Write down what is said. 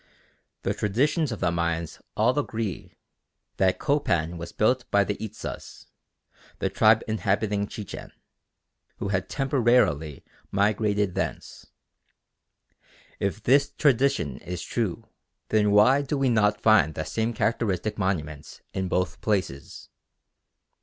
The traditions of the Mayans all agree that Copan was built by the Itzas, the tribe inhabiting Chichen, who had temporarily migrated thence. If this tradition is true, then why do we not find the same characteristic monuments in both places?